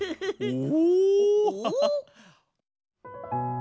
お？